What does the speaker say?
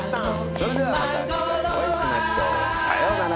それではまた次回お会いしましょうさよなら。